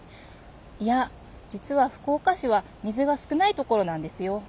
いや実は福岡市は水が少ないところなんですよ。